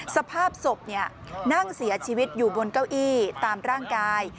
สภาพศพนั่งเสียชีวิตอยู่บนเก้าอี้ตามร่างกาย